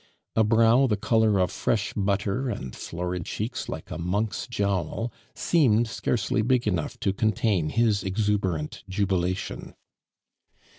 A brow the color of fresh butter and florid cheeks like a monk's jowl seemed scarcely big enough to contain his exuberant jubilation.